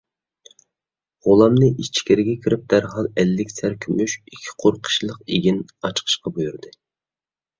غۇلامنى ئىچكىرىگە كىرىپ دەرھال ئەللىك سەر كۈمۈش، ئىككى قۇر قىشلىق ئېگىن ئاچىقىشقا بۇيرۇدى.